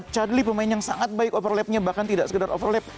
charlie pemain yang sangat baik overlapnya bahkan tidak sekedar overlap